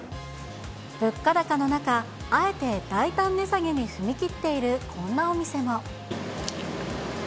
物価高の中、あえて大胆値下げに踏み切っているこんなお店も。